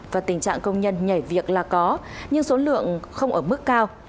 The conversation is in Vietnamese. và tình trạng công nhân nhảy việc là có nhưng số lượng không ở mức cao